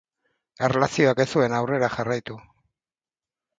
Erlazioak ez zuen aurrera jarraitu.